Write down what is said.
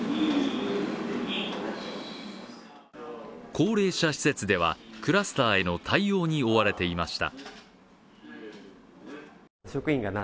高齢者施設では、クラスターへの対応に追われていました。